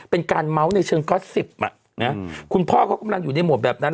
เป็นการเม้าท์ในเชิงก๊อซิบอ่ะหังคุณพ่อก็กำลังอยู่ในหมวบแบบนั้น